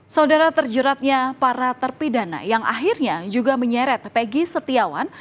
saudara terjeratnya para terpidana yang akhirnya juga menyeret peggy setiawan